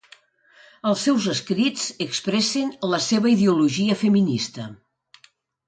Els seus escrits expressen la seva ideologia feminista.